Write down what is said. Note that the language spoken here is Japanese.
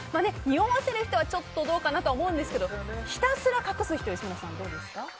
匂わせる人はちょっとどうかなと思いますがひたすら隠す人吉村さん、どうですか？